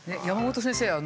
山本先生